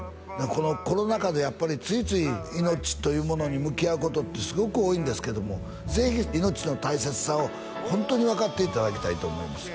このコロナ禍でやっぱりついつい命というものに向き合うことってすごく多いんですけどもぜひ命の大切さをホントに分かっていただきたいと思います